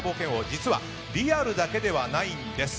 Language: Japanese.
実はリアルだけではないんです。